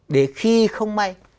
để khi không may